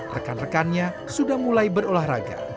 rekan rekannya sudah mulai berolahraga